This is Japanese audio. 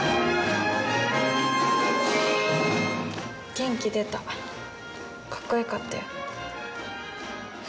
元気出たカッコよかったよ。